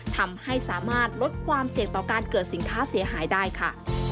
ทำให้สามารถลดความเสี่ยงต่อการเกิดสินค้าเสียหายได้ค่ะ